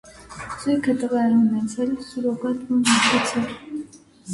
Զույգը տղա է ունեցել սուրոգատ մոր միջոցով։